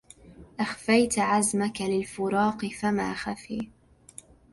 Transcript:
أخفيت عزمك للفراق فما خفي